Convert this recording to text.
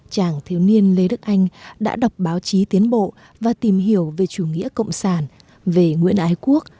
chàng thiếu niên lê đức anh đã đọc báo chí tiến bộ và tìm hiểu về chủ nghĩa cộng sản về nguyễn ái quốc